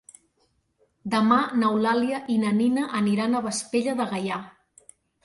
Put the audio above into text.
Demà n'Eulàlia i na Nina aniran a Vespella de Gaià.